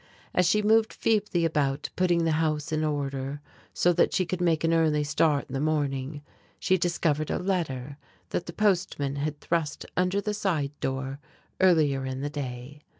As she moved feebly about putting the house in order, so that she could make an early start in the morning, she discovered a letter that the Postman had thrust under the side door earlier in the day.